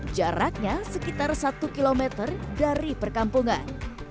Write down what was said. jaraknya sekitar satu km dari perkampungan